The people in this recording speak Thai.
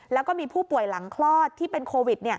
แล้วก็มีผู้ป่วยหลังคลอดที่เป็นโควิด